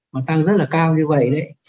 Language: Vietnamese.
mà tăng rất là cao như vậy đấy